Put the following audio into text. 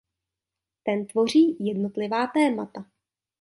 Ten tvoří jednotlivá témata.